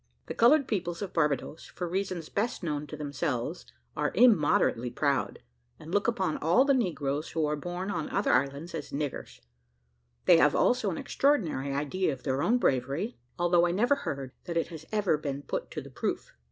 The coloured people of Barbadoes, for reasons best known to themselves, are immoderately proud, and look upon all the negroes who are born on other islands as niggers; they have also an extraordinary idea of their own bravery, although I never heard that it has ever been put to the proof.